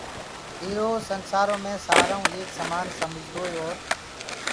ايرو سنسآرو مي سآرآئو ايڪ سمآن سمجدوئي اور